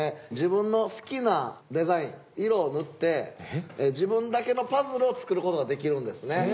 自分の好きなデザイン色を塗って自分だけのパズルを作る事ができるんですね。